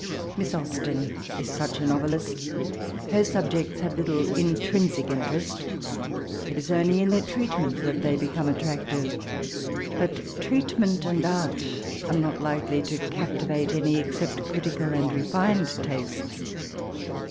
Mira Ansten w such a novelist Her sabjects haye little intrinsic interest ; it is only in their treatment that they become attractive; bat treatment and art are not limy to captivate any except critical and refined tastes.